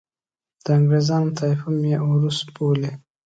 د انګریزانو طایفه مې اوروس بولي.